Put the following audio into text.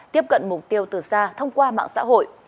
tiếp cận mục tiêu từ xa thông qua mạng xã hội